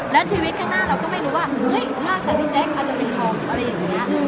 แล้วชีวิตข้างหน้าเราก็ไม่รู้ว่าเฮ้ยมากแต่พี่แจ๊กอาจจะเป็นของอะไรอย่างนี้